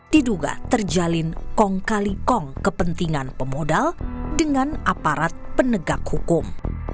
diduga terjalin kong kali kong kepentingan pemodal dengan aparat penegak hukum